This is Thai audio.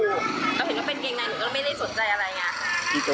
เราเห็นว่าเป็นเกงไงหนูก็ไม่ได้สนใจอะไรอย่างนี้สี่ตัวเอาไปสองตัว